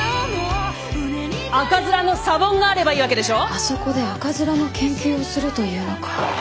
あそこで赤面の研究をすると言うのか。